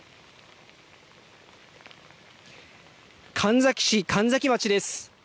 神埼市神埼町です。